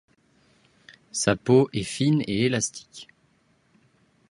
Sa peau est fine et élastique.